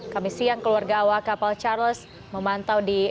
kami siang keluarga awak kapal charles memantau di